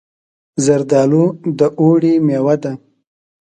زردالو د اوړي مېوه ده.